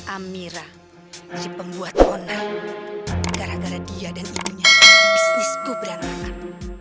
amira jadi pembuat online gara gara dia dan ibunya bisnisku berantakan